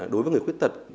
đối với người khuyết tật